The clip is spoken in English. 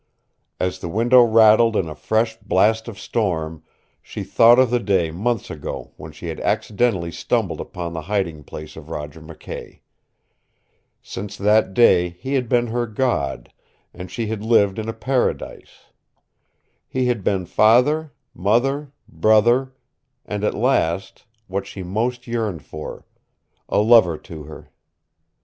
As the window rattled in a fresh blast of storm, she thought of the day months ago when she had accidentally stumbled upon the hiding place of Roger McKay. Since that day he had been her God, and she had lived in a paradise. He had been father, mother, brother, and at last what she most yearned for a lover to her.